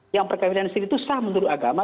yang perkahwinan siri itu sah menurut agama